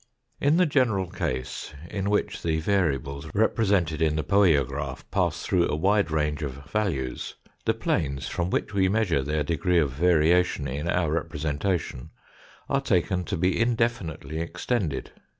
In the general case, in which the variables represented in the poiograph pass through a wide range of values, the planes from which we measure their degrees of variation in our representation are taken to be indefinitely extended.